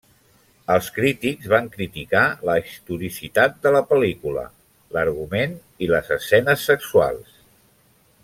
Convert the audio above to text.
Els crítics van criticar la historicitat de la pel·lícula, l'argument i les escenes sexuals.